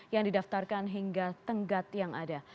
yang didaftarkan hingga tenggat yang ada